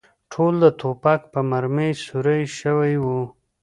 ټول د ټوپک په مرمۍ سوري شوي و.